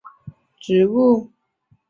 华东蓝刺头为菊科蓝刺头属的植物。